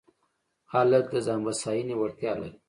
هلک د ځان بساینې وړتیا لري.